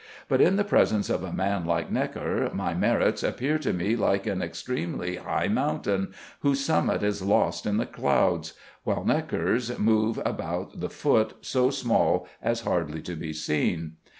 But in the presence of a man like Gnekker my merits appear to me like an extremely high mountain, whose summit is lost in the clouds, while Gnekkers move about the foot, so small as hardly to be seen.